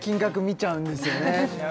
見ちゃうんですよね